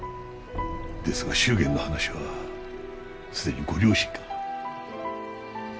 ですが祝言の話はすでにご両親が。